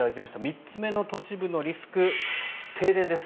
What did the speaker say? ３つ目の都市部のリスク停電です。